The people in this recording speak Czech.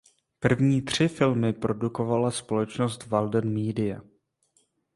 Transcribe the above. První tři filmy produkovala společnost Walden Media.